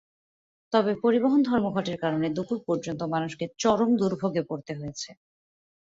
তবে পরিবহন ধর্মঘটের কারণে দুপুর পর্যন্ত মানুষকে চরম দুর্ভোগে পড়তে হয়েছে।